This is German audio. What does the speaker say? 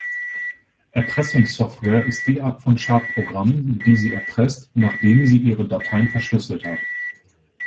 Erpressungssoftware ist die Art von Schadprogramm, die Sie erpresst, nachdem sie ihre Dateien verschlüsselt hat.